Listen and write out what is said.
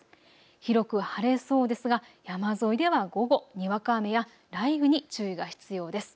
広く晴れそうですが山沿いでは午後、にわか雨や雷雨に注意が必要です。